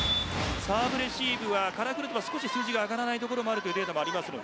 サーブレシーブはカラクルトは少し数字が上がらないところがあるというデータもあります。